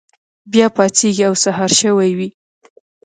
بیا پاڅیږي او سهار شوی وي.